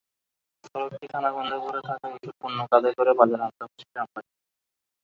সড়কটি খানাখন্দে ভরা থাকায় এসব পণ্য কাঁধে করে বাজারে আনতে হচ্ছে গ্রামবাসীকে।